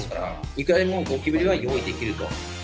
いくらでもゴキブリは用意できると。